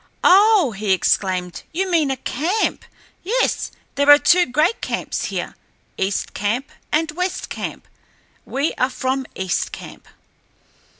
"Oh," he exclaimed, "you mean a camp! Yes, there are two great camps here, East Camp and West Camp. We are from East Camp."